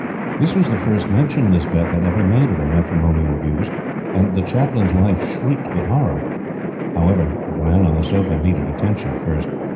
This was the first mention Lispeth had ever made of her matrimonial views, and the Chaplain's wife shrieked with horror. However, the man on the sofa needed attention first.